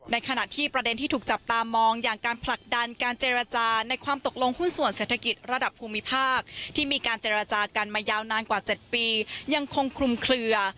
ในขณะที่ประเด็นที่ถูกจับตามองอย่างการผลักดันการเจรจาในความตกลงหุ้นส่วนเศรษฐกิจระดับภูมิภาคที่มีการเจรจากันมายาวนานกว่า๗ปียังคงคลุมเคลือ